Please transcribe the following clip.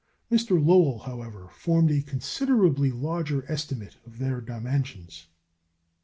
Mr. Lowell, however, formed a considerably larger estimate of their dimensions.